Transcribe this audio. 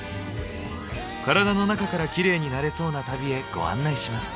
カラダの中からキレイになれそうな旅へご案内します。